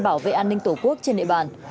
bảo vệ an ninh tổ quốc trên địa bàn